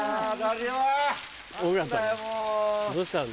どうしたの？